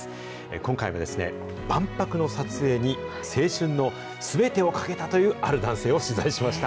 今回は万博の撮影に青春のすべてをかけたというある男性を取材しました。